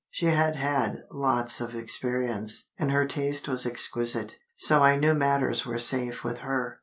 She had had lots of experience, and her taste was exquisite; so I knew matters were safe with her.